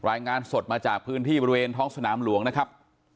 รายงานสดมาจากพื้นที่บริเวณท้องสนามหลวงนะครับ